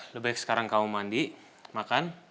lebih baik sekarang kamu mandi makan